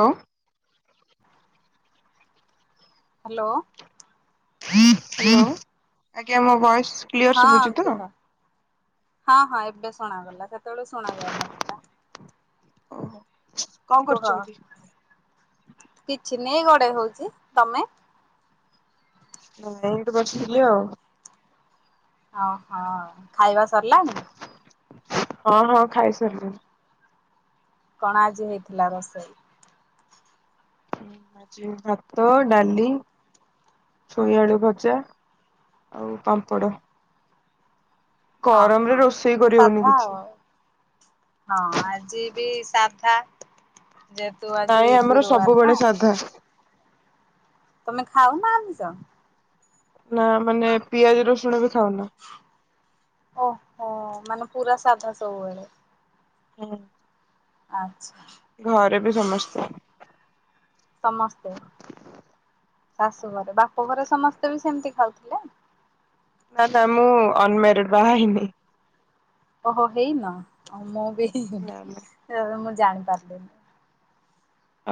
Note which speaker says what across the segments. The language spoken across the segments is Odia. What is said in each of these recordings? Speaker 1: ଲୋ।
Speaker 2: ହାଲୋ।
Speaker 1: ହାଲୋ। ଆଜ୍ଞା ମୋ ବୟସ କ୍ଲିୟର
Speaker 2: ହଁ
Speaker 1: ଶୁବୁଚି ତ?
Speaker 2: କୁହ ହଁ ହଁ ଏବେ ଶୁଣାଗଲା। ସେତେବେଳେ ଶୁଣା ଯାଉନଥିଲା।
Speaker 1: ଓହୋ। କଣ
Speaker 2: କୁହ
Speaker 1: କରୁଚନ୍ତି?
Speaker 2: ଚିନେଇ ଗଡେଇ ହଉଚି। ତମେ?
Speaker 1: ହ ଏମିତି ବସିଥିଲି ଆଉ।
Speaker 2: ଓହୋ ଖାଇବା ସରିଲାଣି?
Speaker 1: ହଁ ହଁ ଖାଇସାରିଲେ।
Speaker 2: କଣ ଆଜି ହେଇଥିଲା ରୋଷେଇ?
Speaker 1: ଆଜି ଭାତ, ଡାଲି, ଛୁଇଁ ଆଳୁ ଭଜା ଆଉ ପାମ୍ପଡ।
Speaker 2: ଓହୋ।
Speaker 1: କରି ହଉନି
Speaker 2: ସାଧା
Speaker 1: କିଛି।
Speaker 2: ଆଉ। ହଁ ଆଜି ବି ସାଧା। ଯେହେତୁ
Speaker 1: ନାଇଁ
Speaker 2: ଆଜି
Speaker 1: ଆମର
Speaker 2: ଗୁରୁବାର ନା
Speaker 1: ସବୁବେଳେ ସାଧା।
Speaker 2: ତମେ ଖାଉ ନା ଆମିଷ?
Speaker 1: ନା ମାନେ ପିଆଜ ରସୁଣ ବି ଖାଉନୁ।
Speaker 2: ଓହୋ ମାନେ ପୁରା ସାଧା ସବୁବେଳେ।
Speaker 1: ହଁ।
Speaker 2: ଆଚ୍ଛା
Speaker 1: ଘରେ ବି ସମସ୍ତେ।
Speaker 2: ସମସ୍ତେ ଶାଶୁ ଘରେ, ବାପ ଘରେ ସମସ୍ତେ ବି ସେମିତି ଖାଉଥିଲେ।
Speaker 1: ନା ତା ମୁଁ ଅନମେରିଡ। ବାହା ହେଇନି।
Speaker 2: ଓହୋ, ହେଇନ। ଓ ମୁଁ
Speaker 1: ନା ନା
Speaker 2: ଆରେ ଜାଣିପାରିଲିନି।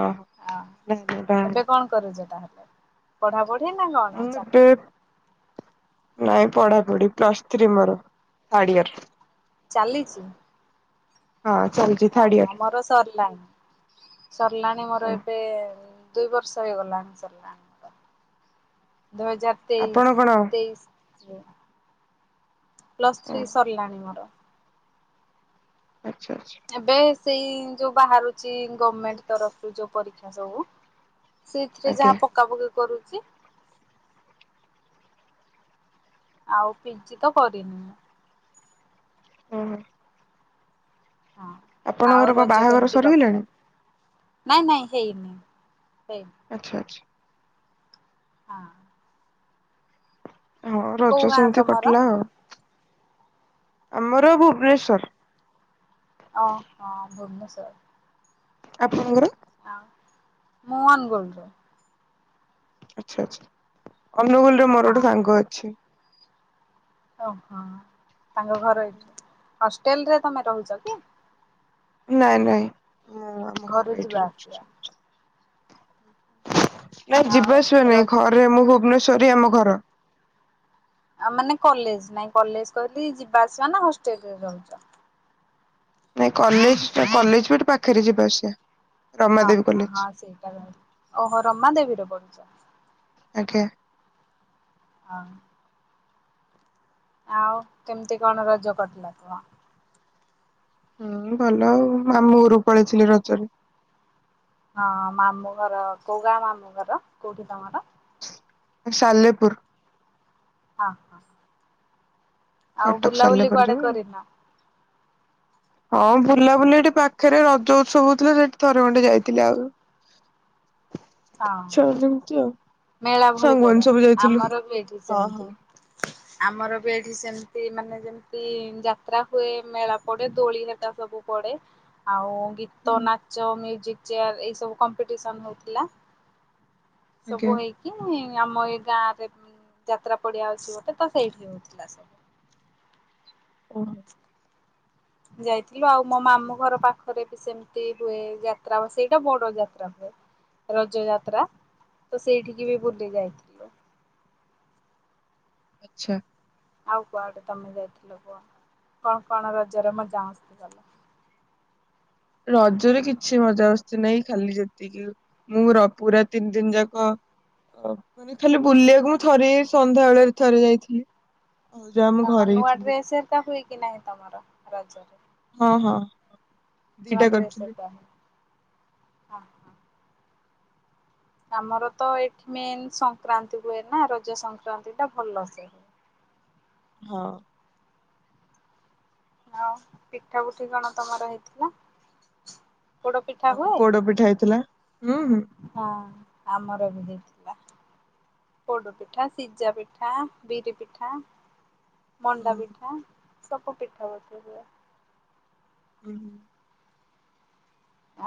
Speaker 1: ଓହୋ
Speaker 2: ହ
Speaker 1: ନା ନା ବାହା
Speaker 2: ଏବେ
Speaker 1: ହେଇନି
Speaker 2: କଣ କରୁଚ ତାହଲେ? ପଢା ପଢି।
Speaker 1: ମୁଁ ଏବେ
Speaker 2: [unintelligible]
Speaker 1: ନାଇଁ ପଢାପଢି ପ୍ଲସ ଥ୍ରୀ ମୋର ଥାର୍ଡ ଇର।
Speaker 2: ଚାଲିଛି
Speaker 1: ହଁ ଚାଲିଛି ଥାର୍ଡ
Speaker 2: ଓହୋ
Speaker 1: ଇୟର
Speaker 2: ମୋର ସରିଲାଣି ସରିଲାଣି ମୋର
Speaker 1: ଓହୋ
Speaker 2: ଏବେ- ଦୁଇ ବର୍ଷ ହେଇଗଲାଣି ସରିଲାଣି ତ। ଦୁଇ ହଜାର
Speaker 1: ଆପଣ କଣ
Speaker 2: ତେଇଶ ତେଇଶ ପ୍ଲସ୍
Speaker 1: ଓ
Speaker 2: ଥ୍ରୀ ସରିଲାଣିି ମୋର।
Speaker 1: ଆଚ୍ଛା ଆଚ୍ଛା
Speaker 2: ଏବେ ସେଇ ଯୋଉ ବାହାରୁଛି ଗମେଣ୍ଟ ତରଫରୁ ଯୋଉ ପରୀକ୍ଷା ସବୁ ସେଇଥିରେ
Speaker 1: ଆଜ୍ଞା
Speaker 2: ଯାହା ପକା ପକି କରୁ କି ଆଉ ପିଜିି ତ କରିନି।
Speaker 1: ହୁଁ।
Speaker 2: ହଁ ଆଉ
Speaker 1: ଆପଣଙ୍କର କଣ
Speaker 2: ରଜ
Speaker 1: ବାହାଘର
Speaker 2: କେମିତି କଟିଲା?
Speaker 1: ସରିଗଲାଣି?
Speaker 2: ନାଇଁ ନାଇଁ ହେଇନି। ହେଇନି
Speaker 1: ଆଚ୍ଛା ଆଚ୍ଛା।
Speaker 2: ହଁ।
Speaker 1: ହଁ
Speaker 2: କୋଉ
Speaker 1: ରଜ
Speaker 2: ଗାଁ
Speaker 1: ସେମିତି
Speaker 2: ତମର?
Speaker 1: କଟିଲା ଆଉ। ଆମର ଭୁବନେଶ୍ୱର।
Speaker 2: ଓ ହୋ ଭୁବନେଶ୍ୱର।
Speaker 1: ଆପଣଙ୍କର?
Speaker 2: ଆ ମୁଁ ଅନୁଗୁଳ।
Speaker 1: ଆଚ୍ଛା ଆଚ୍ଛା। ଅନୁଗୁଳରେ ମୋର
Speaker 2: ହଁ
Speaker 1: ଗୋଟେ ସାଙ୍ଗ ଅଛି।
Speaker 2: ଓହୋ। ତାଙ୍କ ଘର ଏଇଠି। ହଷ୍ଟେଲ ରେ ତମେ ରହୁଛ କି?
Speaker 1: ନାଇଁ ନାଇଁ। ମୁଁ ଆମ ଘର
Speaker 2: ଘରୁ
Speaker 1: ଏଇଠି
Speaker 2: ଯିବା
Speaker 1: ରହୁଛୁ
Speaker 2: ଆସିବା।
Speaker 1: ସମସ୍ତେ [inaudible] ନାଇଁ
Speaker 2: ଆଉ
Speaker 1: ଯିବା ଆସିବା ନାଇଁ
Speaker 2: ରଜ
Speaker 1: ଘରେ ମୁଁ ଭୁବନେଶ୍ଵର ସରି ଆମ ଘର।
Speaker 2: ଆ ମାନେ କଲେଜ ନାଇଁ କଲେଜ କହିଲି ଯିବା ଆସିବା ନା ହଷ୍ଟେଲରେ ରହୁଛ।
Speaker 1: ନାଇ କଲେଜ କଲେଜ ବି ଏଠି ପାଖରେ ଯିବା ଆସିବା। ରମାଦେବୀ
Speaker 2: ହଁ
Speaker 1: କଲେଜ
Speaker 2: ହଁ ସେଇଟା ଓହୋ ରମା ଦେବୀରେ ପଢୁଛ।
Speaker 1: ଆଜ୍ଞା।
Speaker 2: ହଁ। ଆଉ କେମିତି କଣ ରଜ କଟିଲା କୁହ।
Speaker 1: ହୁଁ ଭଲ ଆଉ ମାମୁଁ ଘରୁ ପଳେଇଥିଲି ରଜରେ
Speaker 2: ହଁ ମାମୁଁ ଘର କୋଉ ଗାଁ ମାମୁଁ ଘର କୋଉଠି ତମର
Speaker 1: ସାଲେପୁର
Speaker 2: ହଁ। ଆଉ
Speaker 1: କଟକ ସରିଲା
Speaker 2: ବୁଲାବୁଲି
Speaker 1: ପରେ
Speaker 2: କୁଆଡେ
Speaker 1: ଯୋଉ
Speaker 2: କରିନ
Speaker 1: ହଁ ବୁଲାବୁଲି ଏଠି ପାଖରେ ରଜ ଉତ୍ସବ ହଉଥିଲା ସେଠି ଥରେ ଖଣ୍ଡେ ଯାଇଥିଲେ ଆଉ।
Speaker 2: ହଁ
Speaker 1: ଇଚ୍ଛା ହଉନି ଏମିତି ଆଉ
Speaker 2: ମେଳା ଭଳି
Speaker 1: ସାଙ୍ଗମାନେ
Speaker 2: ପଡେ
Speaker 1: ସବୁ ଯାଇଥିଲୁ।
Speaker 2: ଆମର ବି ଏଇଠି
Speaker 1: ହଁ ହଁ।
Speaker 2: ସେମିତି ଆମର ବି ଏଠି ସେମ ସେଇ ମାନେ ଯେମିତି ଯାତ୍ରା ହୁଏ ମେଳା ପଡେ ଦୋଳି ହେରେକା ସବୁ ପଡେ ଆଉ ଗୀତ
Speaker 1: ହୁଁ
Speaker 2: ନାଚ ମ୍ୟୁଜିକ୍ ଚେୟାର ଏଇ ସବୁ କମ୍ପିଟେସନ ହଉଥିଲା।
Speaker 1: ଆଜ୍ଞା।
Speaker 2: ସବୁ ହେଇକି ଆମ ଏଇ ଗାଁ ରେ ଯାତ୍ରା ପଡିଆ ଅଛି ଗୋଟେ ତ ସେଇଠି ହଉଥିଲା ସବୁ।
Speaker 1: ହୁଁ।
Speaker 2: ଯାଇଥିଲୁ ଆଉ ମୋ ମାମୁଁ ଘର ପାଖରେ ବି ସେମିତି ହୁଏ ଯାତ୍ରା ସେଇଟା ବଡ ଯାତ୍ରା ହୁଏ ରଜ ଯାତ୍ରା ତ ସେଇଠିକି ବି ବୁଲି ଯାଇଥିଲୁ।
Speaker 1: ଆଛା।
Speaker 2: ଆଉ କୁଆଡେ ତମେ ଯାଇଥିଲ କୁହ କଣ କଣ ରଜରେ ମଜା ମସ୍ତି କଲ?
Speaker 1: ରଜରେ କିଛି ମଜା ମସ୍ତି ନାଇଁ ଖାଲି ଯେତିକି ମୁଁ ର ପୁରା ତିନି ଦିନ ଯାକ ମାନେ ଖାଲି ବୁଲିଆକୁ ମୁଁ ଥରେ ସନ୍ଧ୍ୟା ବେଳେରେ ଥରେ ଯାଇଥିଲି। ଆଉ ଯୋଉ ଆମ
Speaker 2: ଓହୋ
Speaker 1: ଘରେ ହିଁ
Speaker 2: ନୂଆ
Speaker 1: ଥିଲି
Speaker 2: ଡ୍ରେସ ହରିକା ହୁଏ କି ନାହିଁ ତମର ରଜ ରେ?
Speaker 1: ହଁ ହଁ।
Speaker 2: ନୂଆ
Speaker 1: ଦିଟା
Speaker 2: ଡ୍ରେସ
Speaker 1: କରିଥିଲି
Speaker 2: ହେକା। ଆ ହ। ଆମର ତ ଏଇଠି ମେନ୍ ସଂକ୍ରାନ୍ତି ହୁଏ ନା ରଜ ସଂକ୍ରାନ୍ତି ଟା ଭଲସେ।
Speaker 1: ହଁ।
Speaker 2: ଆଉ ପିଠା ପୁଠି କଣ ତମର ହେଇଥିଲା? ପୋଡ ପିଠା ହୁଏ
Speaker 1: ପୋଡ ପିଠା ହେଇଥିଲା। ହୁଁ ହୁଁ
Speaker 2: ହଁ ଆମର ବି ହେଇ ପୋଡ ପିଠା ସିଜା ପିଠା ବିରି ପିଠା। ମଣ୍ଡା
Speaker 1: ହୁଁ
Speaker 2: ପିଠା। ସବୁ ପିଠା ପିଠି ହୁଏ।
Speaker 1: ହୁଁ।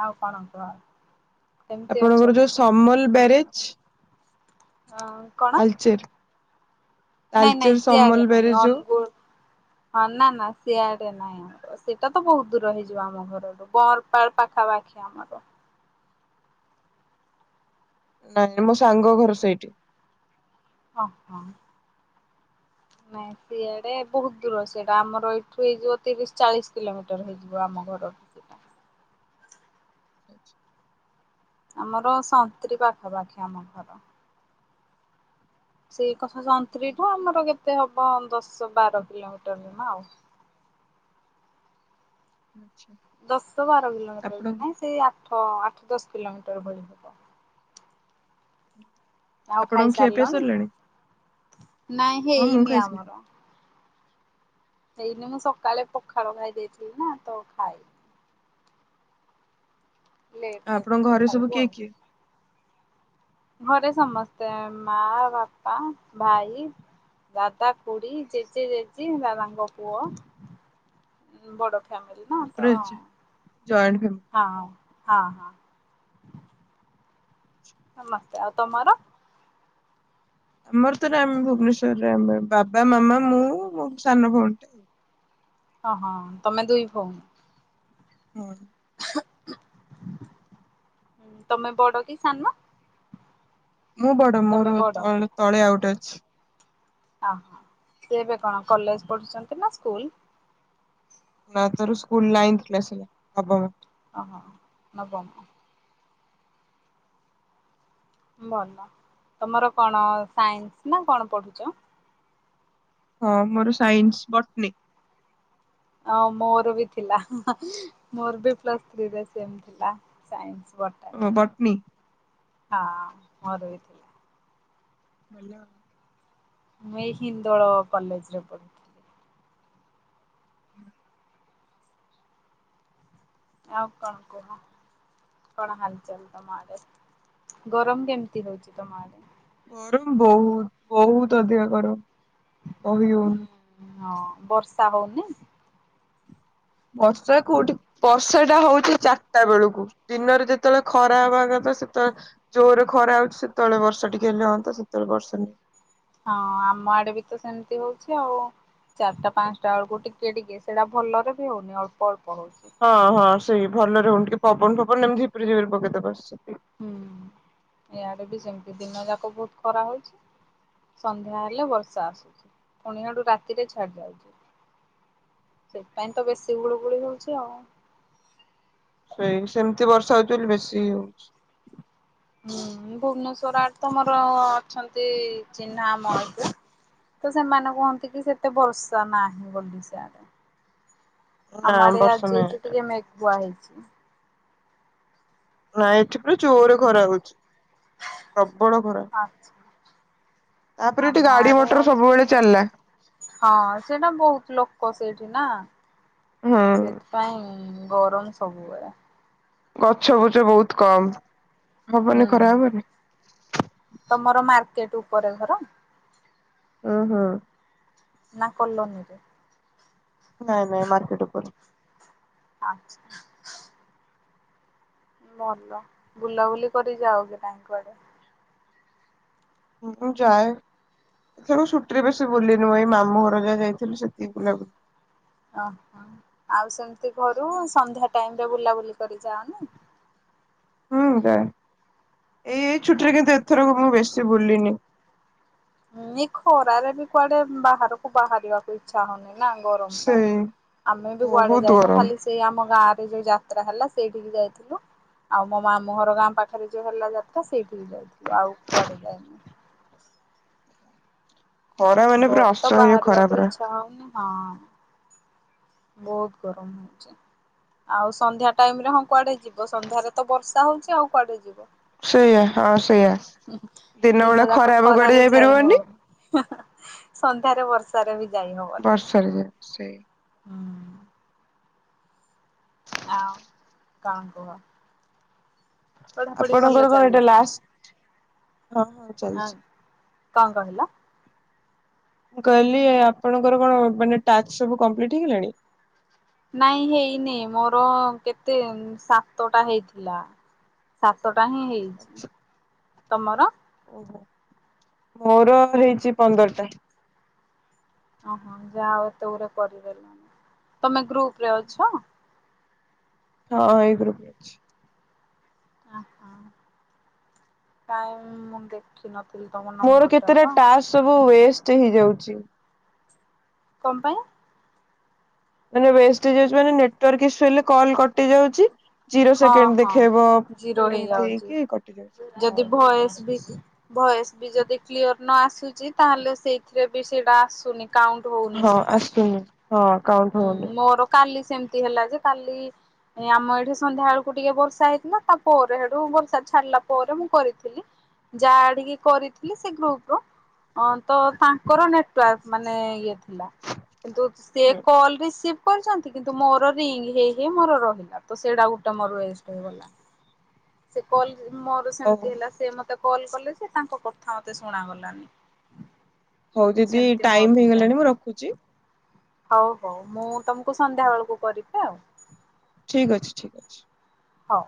Speaker 2: ଆଉ କଣ କୁହ। କେମିତି ଅଛ
Speaker 1: ଆପଣଙ୍କର ଯୋଉ
Speaker 2: ତମେ?
Speaker 1: ସମଲ ବ୍ୟାରେ ଅଛି।
Speaker 2: ହଁ କଣ? ନାଇଁ ନଇଁ
Speaker 1: ତାଲଚେର
Speaker 2: ଶିଆଡେ
Speaker 1: ସମଲବେରି
Speaker 2: ନାହିଁ
Speaker 1: ଯୋଉ
Speaker 2: ଅନୁଗୁଳ ହଁ ନା ନା ସିଆଡେ ନାଇଁ ଆମର ସେଟା ତ ବହୁତ ଦୂର ହେଇଯିବ ଆମ ଘର ଠୁ ବଂରପାଳ ପାଖାପାଖି ଆମର।
Speaker 1: ଜାଣିନି ମୋ ସାଙ୍ଗ ଘର ସେଇଠି।
Speaker 2: ଅ ହ। ନାଇଁ ସିଆଡେ ବହୁତ ଦୂର ସେଟା ଆମର ଏଠୁ ହେଇଯିବ ତିରିଶ ଚାଳିଶ କିଲୋମିଟର ହେଇଯିବ ଆମ ଘର ଠୁ ସେଟା।
Speaker 1: ଆଛା।
Speaker 2: ଆମର ସନ୍ତ୍ରୀ ପାଖାପାଖି ଆମ ଘର। ସେଇ କସ ସନ୍ତ୍ରୀଠୁ ଆମର କେତେ ହବ ଦଶ ବାର କିଲୋମିଟର ଜମା ଆଉ।
Speaker 1: ଆଚ୍ଛା
Speaker 2: ଦଶ ବାର କିଲୋମିଟର
Speaker 1: ଆପଣ
Speaker 2: ବି ନୁଅ ସେଇ ଆଠ ଆଠ ଦଶ। କିିଲୋମିଟର ଭଳୀ ହବ।
Speaker 1: [unintelligible]
Speaker 2: ଆଉ
Speaker 1: ଆପଣଙ୍କ ଖିଆ ପିଆ
Speaker 2: ଖାଇସାରିଲନି?
Speaker 1: ସରିଲାଣି?
Speaker 2: ନାଇଁ
Speaker 1: ହଁ ମୁଁ
Speaker 2: ହେଇନି
Speaker 1: ଖାଇଥିଲି।
Speaker 2: ଆମର। ହେଇନି ମୁଁ ସକାଳେ ପଖାଳ ଖାଇ ଦେଇେଇଥିଲି ନା ତ ଖାଇନି। ଲେଟ ରେ
Speaker 1: ଆପଣଙ୍କ
Speaker 2: ଟିକେ
Speaker 1: ଘରେ ସବୁ
Speaker 2: ଖାଇବୁ ଆଉ।
Speaker 1: କିଏ କିଏ?
Speaker 2: ଘରେ ସମସ୍ତେ ମା ବାପା ଭାଇ ଦାଦା କୁଡି ଜେଜେ ଜେଜେ ଦାଦାଙ୍କ ପୁଅ ବଡ। ଫମିଲ ନା
Speaker 1: ପୁରା
Speaker 2: ତ ହଁ।
Speaker 1: Joint family.
Speaker 2: ହଁ ହଁ। ମୋତେ ଆଉ ତମର?
Speaker 1: ଆମର ତରେ ଆମ୍ ଭୁବନେଶ୍ୱର ଆମେ ବାବା ମାମା ମୁଁ ମୋ ସାନ ଭଉଣୀଟେ।
Speaker 2: ଅହଁ ତମେ ଦୁଇ ଭଉଣୀ।
Speaker 1: ହୁଁ।
Speaker 2: ତମେ ବଡ କି ସାନ?
Speaker 1: ମୁଁ ବଡ
Speaker 2: ତମେ
Speaker 1: ମୋର
Speaker 2: ବଡ
Speaker 1: ତଳେ ତଳେ ଆଉ ଗୋଟେ ଅଛି। [inaudible]
Speaker 2: ଆ ସେ ଏବେ କଣ କଲେଜ ପଢୁଛନ୍ତି ନା ସ୍କୁଲ?
Speaker 1: ନା ତାର ସ୍କୁଲ ନାଇନ୍ଥ କ୍ଲାସ ହେଲା ନବମ।
Speaker 2: ଅ ହ ନବମ। ଭଲ ତମର କଣ ସାଇନ୍ସ ନା କଣ ପଢୁଛ?
Speaker 1: ହଁ ମୋର ସାଇନ୍ସ ବଟନି।
Speaker 2: ଅ ମୋର ବି ଥିଲା ମୋର ବି ପ୍ଲସ୍ଥ ଥ୍ରୀ ରେ ସେମ୍ ଥିଲା ସାଇନ୍ସ। ବୋଧେ
Speaker 1: ବଟନୀ।
Speaker 2: ହଁ। ମୋରବି ଥିଲା
Speaker 1: [inaudible]
Speaker 2: ମୁଁ ଏଇ ହିନ୍ଦୋଳ କଲେଜରେ ପଢିଥିଲି। ଆଉ କଣ କୁହ କଣ ହାଲଚାଲ ତମ ଆଡେ ଗରମ କେମିତି ହଉଛି ତମ ଆଡେ?
Speaker 1: ଗରମ ବହୁତୁ ବହୁତୁ ଅଧିକା ଗରମ? କହିହଉନି।
Speaker 2: ହଁ ବର୍ଷା ହଉନି?
Speaker 1: ବର୍ଷା କୋଉଠି ବର୍ଷା ଟା ହଉଛି ଚାରିଟା ବେଳକୁ ଦିନରେ ଯେତେବେଳେ ଖରା ହବାକଥା ସେତେବେଳେ ଜୋରରେ ଖରା ହଉଛି ସେତେବେଳେ ବର୍ଷା ଟିକେ ହେଲେ ହଅନ୍ତା ସେତେବେଳେ ବର୍ଷା ନ
Speaker 2: ହଁ ଆମ ଆଡେ ବି ତ ସେମିତି ହଉଛି ଆଉ ଚାରିଟା ପାଞ୍ଚଟା ବେଳକୁ ଟିକେ ଟିକେ ସେଇଟା ଭଲରେ ବି ହଉନି ଅଳ୍ପ ଅଳ୍ପ ହଉଛି।
Speaker 1: ହଁ ହଁ ସେଇ ଭଲ ରହୁନ ଟିକେ ପବନ ଫବନ ଏମତି ଝିପରି ଝିପରି ପକେଇଦବା ବାସ।
Speaker 2: ହୁଁ ଏୟା। ବି ସେମିତି ଦିନ ଯାକ ଭଉତୁ ଖରା ହଉଛି ସନ୍ଧ୍ୟା ହେଲେ ବର୍ଷା ଆସୁଛି ପୁଣିଆଡୁ ରାତିରେ ଛାଡି ଯାଉଛି ସେପାଇଁ ତ ବେଶୀ ଗୁଳୁ ଗୁଳି ହଉଛି ଆଉ।
Speaker 1: ସେଇ ସେମିତି ବର୍ଷା ହଉଛି ବୋଲି ବେଶୀ ହଉଛି।
Speaker 2: ହୁଁ ଭୁବନେଶ୍ୱର ଆଡ ତମର ଅଛନ୍ତି ଚିହ୍ନା ଆମ ଆଡେ। ତ ସେମାନେ କୁହନ୍ତି କି ସେତେ ବର୍ଷା ନାହିଁ ବୋଲିସିଆଡେ।
Speaker 1: ନା
Speaker 2: ଆମର ଆଡେ
Speaker 1: ବର୍ଷା
Speaker 2: ଆଜି
Speaker 1: ନାହିଁ
Speaker 2: ଟିକେ ମେଘୁଆ ହେଇଚି। ଆ [unintelligible]
Speaker 1: ନାଇଁ ଏଠି ପୁରା ଜୋର ଖରା ହଉଛି। ପ୍ରବଳ ଖରା।
Speaker 2: ଆଚ୍ଛା
Speaker 1: ତାପରେ ଏଠି
Speaker 2: ଆମ
Speaker 1: ଗାଡି
Speaker 2: ଆଡେ
Speaker 1: ମଟର
Speaker 2: ଆଜି
Speaker 1: ସବୁବେଳେ
Speaker 2: ଟିକେ
Speaker 1: ଚାଲିଲା
Speaker 2: ହଁ ସେଟା ବହୁତ ଲୋକ ସେଇଠି ନା।
Speaker 1: ହୁଁ
Speaker 2: ସେଥିପାଇଁ। ଗରମ ସବୁବେଳେ
Speaker 1: ଗଛ ପୁଛ ବହୁତ କମ୍।
Speaker 2: ହୁଁ ତମର ମାର୍କ ଟିକେଟ ଉପରେ ଘର।
Speaker 1: ହୁଁ ହୁଁ।
Speaker 2: ନା କଲୋନୀରେ।
Speaker 1: ନାଇଁ ନାଇଁ ମାର୍କେଟ ଉପରେ।
Speaker 2: ଆଚ୍ଛା। ଭଲ ବୁଲାବୁଲି କରି ଯାଉନି କି କୁଆଡ଼େ
Speaker 1: ମୁଁଁ ଯାଏ ଏଥର ଛୁଟିରେ ବେଇ ବୁଲିନି ମ ଏଇ ମାମୁଁ ଘର ଯା ଯାଇଥିଲି ସେତିକି ବୁଲା ବୁଲି
Speaker 2: ଓହୋ ଆଉ ସେମିତି ଘରୁ ସନ୍ଧ୍ୟା ଟାଇମରେ ବୁଲାବୁଲି କରି ଯାଅନି
Speaker 1: ହୁଁ ଯାଏ ଏଇ ଛୁଟି ରେ କିନ୍ତୁ ଏଥରକ ମୁଁ ବେଶି ବେଶି ବୁଲିନି।
Speaker 2: ଏଇ ଖରାରେ ବି କୁଆଡେ ବାହାରକୁ ବାହାରିବାକୁ ଇଚ୍ଛା ହଉନି। ନା ଗରମ ପାଇଁ
Speaker 1: ସେଇ
Speaker 2: ଆମେ ବି କୁଆଡେ
Speaker 1: ବହୁତ
Speaker 2: ଯାଇନୁ
Speaker 1: ଗରମ।
Speaker 2: ଖାଲି ସେଇ ଆମ ଗାଁ ଯୋଉ ଯାତ୍ରା ହେଲା ସେଇଠିକି ଯାଇଥିଲୁ ଆଉ ମୋ ମାମୁହର ଗାଁ ପାଖରେ ଯୋଉ ହେଲା ଯାତ୍ରା ସେଇଠିକି ଯାଇଥିଲୁ ଆଉ କୁଆଡେ ଯାଇନୁ।
Speaker 1: ଖରା ମାନେ ପୁରା
Speaker 2: ଘରୁ ତ
Speaker 1: ଅସହ୍ୟ ଖରା
Speaker 2: ବାହାରିବାକୁ
Speaker 1: ପରା।
Speaker 2: ଇଚ୍ଛା ହଉନି ହଁ। ବହୁତ ଗରମ ହଉଛି ଆଉ ସନ୍ଧ୍ୟା ଟାଇମ ରେ ହଁ କୁଆଡେ ଯିବ ସନ୍ଧ୍ୟାରେ ତ ବର୍ଷା ହଉଚଛି ଆଉ କୁଆଡେ ଯିବ।
Speaker 1: ସେଇଆ ହଁ ସେଇଆ ଦିନ ବେଳେ
Speaker 2: ଯାକ
Speaker 1: ଖରାପ କୁଆଡେ
Speaker 2: ଖରାରେ ଯାଇ
Speaker 1: ଯାଇପାରିବନି।
Speaker 2: ହଉନି। ସନ୍ଧ୍ୟାରେ ବର୍ଷାରେ ବି ଯାଇ ହବନି।
Speaker 1: ବର୍ଷାରେ ସେ
Speaker 2: ହଁ କଣ କୁହ? ପଢାପଢି ଭଲ
Speaker 1: ଆପଣଙ୍କର କଣ ଏଇଟା
Speaker 2: ଚାଲିଛି?
Speaker 1: ଲାଷ୍ଟ ହଁ ହଁ
Speaker 2: ଆଁ
Speaker 1: ଚାଲିଛି।
Speaker 2: କଣ କହିଲ?
Speaker 1: ମୁଁ କହିଲି ଆପଣଙ୍କର କଣ ମାନେ ଟାସ୍କ ସବୁ କଂପ୍ଲିଟ୍ ହେଇଗଲାଣି।
Speaker 2: ନାଇଁ ହେଇନି ମୋର କେତେ ସାତଟା ହେଇଥିଲା ସାତ ପାଁ ହେଇଛି। ତମର?
Speaker 1: ଓହୋ ମୋର ହେଇଛି ପନ୍ଦରଟା।
Speaker 2: ଓହୋ ଯାହା ହଉ ଏତେ ଗୁଡେ କରିଦେଲଣିି ତମେ ଗ୍ରୁପ ରେ ଅଛ।
Speaker 1: ହଁ ଏଇ ଗ୍ରୁପ୍ ରେ ଅଛି।
Speaker 2: ଆହାଃ, ଆଉ ମୁଁ ଦେଖି ନ
Speaker 1: ମୋର କେତେଟ ଟା ସବୁ ଏସ୍ [inaudible] ହେଇଯାଉଛି।
Speaker 2: କଅଁ ପାଇଁ?
Speaker 1: ମାନେ ୱେଷ୍ଟ୍ ହେଇ ଯାଉଛି ମାନେ ନେଟୱାର୍କ ଇସ୍ୟୁ ହେଲେ କଲ୍ କଟି ଯାଉଛି। ଜିରୋ
Speaker 2: ହଁ
Speaker 1: ସେକେଣ୍ଡ
Speaker 2: ହଁ
Speaker 1: ଦେଖେଇବ
Speaker 2: ଜିରୋ
Speaker 1: ଗୋଟେ ଏମିତି
Speaker 2: ହେଇଯାଉଛି।
Speaker 1: ହେଇକି କଟି ଯାଉଛି ହଉ।
Speaker 2: ଭଏସ୍ ବି ଯଦି କ୍ଲିଅର୍। ନ ଆସୁଛି ତାହେଲେ ସେଇଥିରେ ବି ସେଇଟା ଆସୁନି। କାଉଣ୍ଟ ହଉନି
Speaker 1: ହଁ
Speaker 2: ସେଇଟା।
Speaker 1: ଆସୁନି। ହଁ କାଉଣ୍ଟ ହଉନି।
Speaker 2: ସେମତି ହେଲା ଯେ, କାଲି ଆମ ଏଇଠି ସନ୍ଧ୍ୟା ବେଳକୁ ଟିକେ ବର୍ଷା ହେଇଥିଲା ତାପରେ ସେଇଠୁ ବର୍ଷା ଛାଡିଲା ପରେ ମୁଁ କରିଥିଲି, ଯାହା ଟିକେ କରିଥିଲି ସେ ଗ୍ରୁପର, ତ ତାଙ୍କର ନେଟୱାର୍କ ମାନେ ଇଏ ଥିଲା କିନ୍ତୁ
Speaker 1: ହୁଁ,
Speaker 2: ସେକ୍। [unintelligible] କରିଛନ୍ତି କିନ୍ତୁ ମୋର ରିଙ୍ଗ୍ ହେଇ [inaudible] ମୋର ରହିଲା ତ ସେଟା ଗୋଟେ ମୋର ୱେଷ୍ଟରେ ଗଲା, ସେ କଲ୍ ମୋର
Speaker 1: ହଉ
Speaker 2: ସେମିତି ହେଲା ସେ ମତ୍ ମତେ କଲ୍ କଲେ ଯେ ତାଙ୍କ କଥା ମତେ ଶୁଣାଗଲାନି।
Speaker 1: ହଉ ଦିଦି
Speaker 2: ସେମିତି
Speaker 1: ଟାଇମ୍
Speaker 2: ମୋର ବି
Speaker 1: ହେଇଗଲାଣି ମୁଁ
Speaker 2: ସେମିତି
Speaker 1: ରଖୁଛି।
Speaker 2: ହଉ ହଉ ମୁଁ ତମୁ କୁ ସନ୍ଧ୍ୟା ବେଳକୁ କରିବି। ହଉ।
Speaker 1: ଠିକ୍ ଅଛି ଠିକ୍ ଅଛି।
Speaker 2: ହଉ।